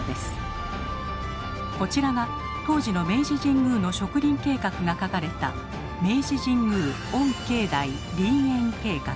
こちらが当時の明治神宮の植林計画が書かれた「明治神宮御境内林苑計画」。